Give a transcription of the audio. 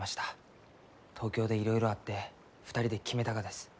東京でいろいろあって２人で決めたがです。